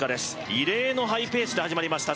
異例のハイペースで始まりました